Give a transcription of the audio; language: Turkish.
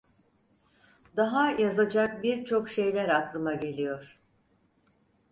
Daha yazacak birçok şeyler aklıma geliyor…